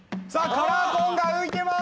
カラーコーンが浮いてます